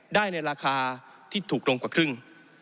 ได้ในราคาที่ถูกลงกว่าครึ่ง